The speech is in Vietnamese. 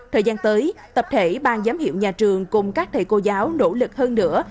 thời gian tới tập thể ban giám hiệu nhà trường cùng các thầy cô giáo nỗ lực hơn nữa